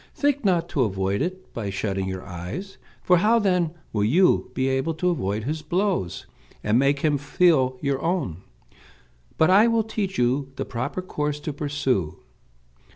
Think not to avoid it by shutting your eyes, for how then will you be able to avoid his blows, and make him feel your own? But I will teach you the proper course to pursue.